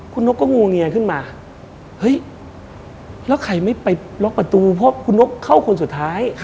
คุณนกก็งวงเงียขึ้นมาเฮ้ยแล้วใครไม่ไปล็อกประตูเพราะคุณนกเข้าคนสุดท้าย